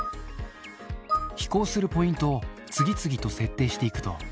飛行するポイントを次々と設定していくと。